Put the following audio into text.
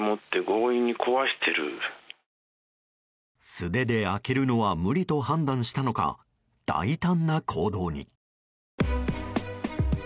素手で開けるのは無理と判断したのか大胆な行動に。